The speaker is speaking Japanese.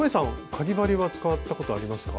かぎ針は使ったことありますか？